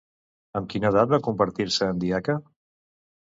Amb quina edat va convertir-se en diaca?